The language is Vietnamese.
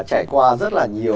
trải qua rất là nhiều